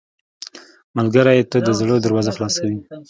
ملګری ته د زړه دروازه خلاصه وي